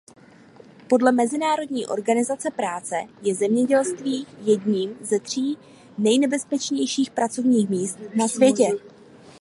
Podle Mezinárodní organizace práce je zemědělství jedním ze tří nejnebezpečnějších pracovních míst na světě.